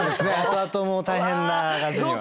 後々も大変な感じには。